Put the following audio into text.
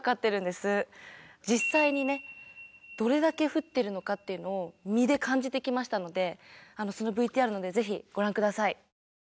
実際にねどれだけ降ってるのかっていうのを身で感じてきましたのでそのＶＴＲあるのでぜひご覧下さい。